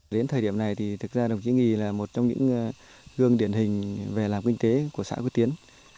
đến thời điểm này thì thực ra đồng chí nghì là một trong những gương điển hình về làm kinh tế của xã quy tiến